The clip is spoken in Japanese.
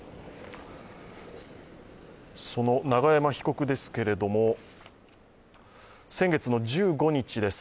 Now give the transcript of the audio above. その永山被告ですけれども、先月の１５日です。